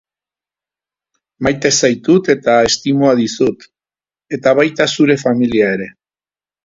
Maite zaitut eta estimua dizut, eta baita zure familia ere.